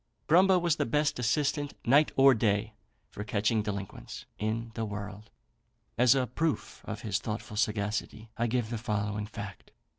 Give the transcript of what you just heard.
Grumbo was the best assistant, night or day, for catching delinquents, in the world. As a proof of his thoughtful sagacity, I give the following fact.